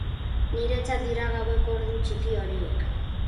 Niretzat dira gaueko ordu txiki horiek.